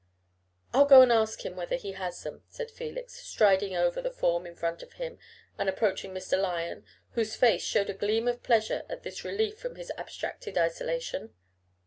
"I'll go and ask him whether he has them," said Felix, striding over the form in front of him, and approaching Mr. Lyon, whose face showed a gleam of pleasure at this relief from his abstracted isolation.